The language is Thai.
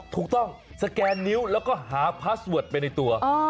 ถูกต้องสแกนนิ้วแล้วก็หาพาสเวิร์ดไปในตัว